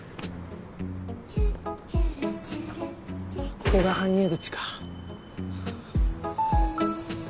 ここが搬入口か。